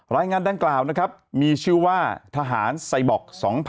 รายงานดังกล่าวนะครับมีชื่อว่าทหารไซบอก๒๐๑๖